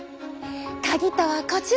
カギとはこちら！